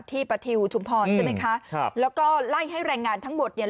ประทิวชุมพรใช่ไหมคะครับแล้วก็ไล่ให้แรงงานทั้งหมดเนี่ย